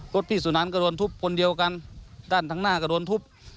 พี่สุนามก็โดนทุบคนเดียวกันด้านข้างหน้าก็โดนทุบ